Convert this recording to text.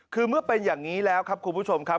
คือเมื่อเป็นอย่างนี้แล้วครับคุณผู้ชมครับ